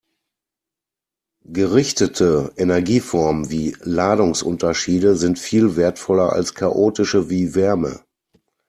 Gerichtete Energieformen wie Ladungsunterschiede sind viel wertvoller als chaotische wie Wärme.